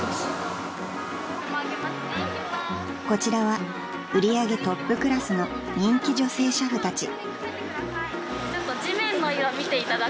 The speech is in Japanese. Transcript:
［こちらは売り上げトップクラスの人気女性俥夫たち］